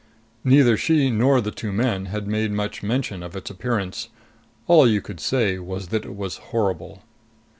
Neither she nor the two men had made much mention of its appearance. All you could say was that it was horrible.